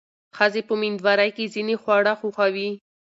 ښځې په مېندوارۍ کې ځینې خواړه خوښوي.